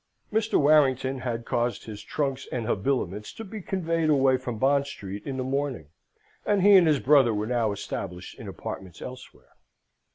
Mr. Warrington had caused his trunks and habiliments to be conveyed away from Bond Street in the morning, and he and his brother were now established in apartments elsewhere.